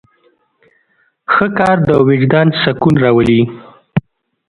ښه کار د وجدان سکون راولي.